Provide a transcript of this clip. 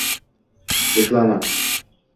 Reklama